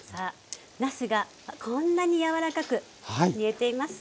なすがこんなに柔らかく煮えています。